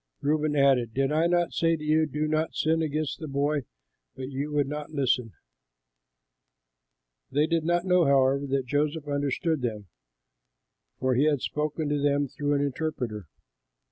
Reuben added, "Did I not say to you, 'Do not sin against the boy,' but you would not listen?" They did not know, however, that Joseph understood them, for he had spoken to them through an interpreter.